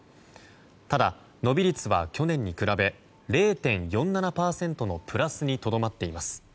ただ伸び率は去年に比べ０．４７％のプラスにとどまっています。